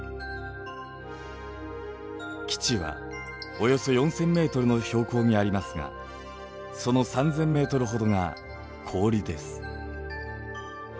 基地はおよそ４，０００ｍの標高にありますがその３，０００ｍほどが氷です。